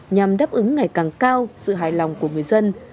nhằm đáp ứng ngày càng cao sự hài lòng của người dân